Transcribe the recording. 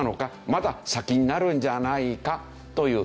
まだ先になるんじゃないかという。